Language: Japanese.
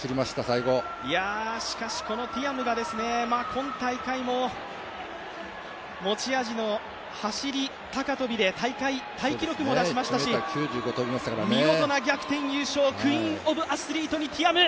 しかし、このティアムが今大会も持ち味の走高跳で、大会タイ記録も出しましたし、見事な逆転優勝、クイーンオブアスリートにティアム！